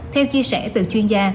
theo chia sẻ từ chuyên gia